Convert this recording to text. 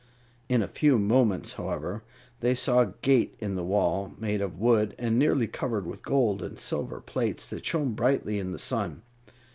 In a few moments, however, they saw a gate in the wall, made of wood and nearly covered with gold and silver plates that shone brightly in the sun.